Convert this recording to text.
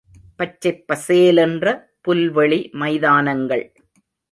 பச்சைப்பசேலென்ற புல்வெளி மைதானங்கள்.